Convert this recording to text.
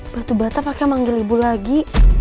batu bata pakai manggil ibu lagi